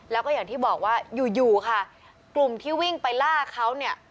แล้วก็อย่างที่บอกว่าอยู่อยู่ค่ะกลุ่มที่วิ่งไปล่าเขาเนี่ย